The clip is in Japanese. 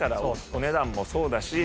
お値段もそうだし。